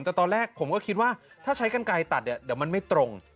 แต่ตอนแรกผมก็คิดว่าถ้าใช้กันไกลตัดเนี่ยเดี๋ยวมันไม่ตรง